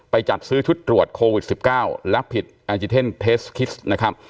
จัดซื้อชุดตรวจโควิด๑๙และผิดแอนจิเทนเทสคิสนะครับ